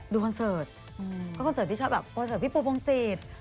คอนเสิร์ตก็คอนเสิร์ตที่ชอบแบบคอนเสิร์ตพี่ปูพงศิษย์